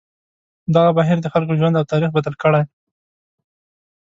دغه بهیر د خلکو ژوند او تاریخ بدل کړی دی.